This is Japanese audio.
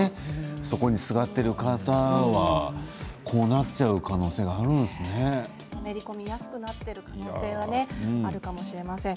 そこに、すがっている方はこうなっちゃう可能性がのめり込みやすくなっている可能性は、あるかもしれません。